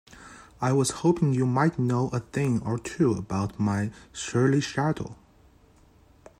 I was hoping you might know a thing or two about my surly shadow?